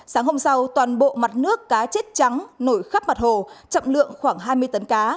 sáng hôm sau toàn bộ mặt nước cá chết trắng nổi khắp mặt hồ trọng lượng khoảng hai mươi tấn cá